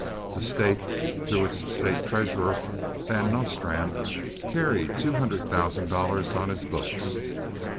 The State, through its State treasurer, Van Nostrand, carried two hundred thousand dollars on his books.